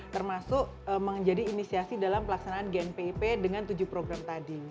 termasuk menjadi inisiasi dalam pelaksanaan gnpip dengan tujuh program tadi